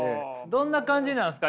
どんな感じなんですか？